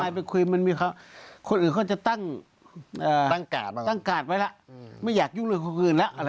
ทนายไปคุยมันมีเขาคนอื่นเขาจะตั้งกาดไว้ละไม่อยากยุ่งเรื่องคนอื่นละ